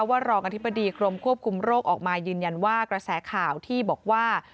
รองอธิบดีกรมควบคุมโรคออกมายืนยันว่ากระแสข่าวที่บอกว่า